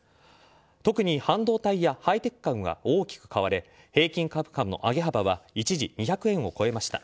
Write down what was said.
特に半導体やハイテク株が大きく買われ平均株価の上げ幅は一時２００円を超えました。